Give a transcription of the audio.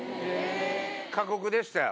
過酷でしたよ